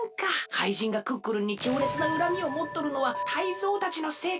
かいじんがクックルンにきょうれつなうらみをもっとるのはタイゾウたちのせいかもしれんのやで。